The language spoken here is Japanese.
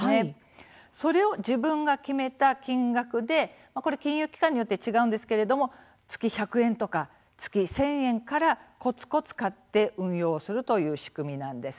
それを、自分が決めた金額で金融機関によって違うんですけれども月１００円とか月１０００円からこつこつ買って運用するという仕組みなんです。